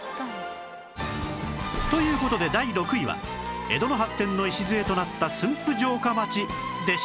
という事で第６位は江戸の発展の礎となった駿府城下町でした